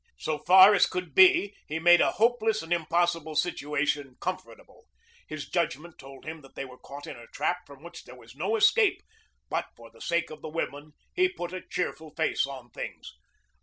So far as could be he made a hopeless and impossible situation comfortable. His judgment told him that they were caught in a trap from which there was no escape, but for the sake of the women he put a cheerful face on things.